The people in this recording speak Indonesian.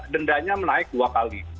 dendanya menaik dua kali